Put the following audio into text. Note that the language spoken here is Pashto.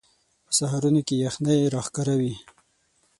په سهارونو کې یخنۍ راښکاره وي